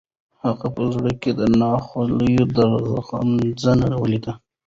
هغه په زړه کې د ناخوالو درغځنه ولیده.